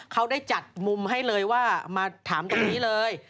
เขาได้จัดมุมให้เลยว่ามาถามตรงนี้เลย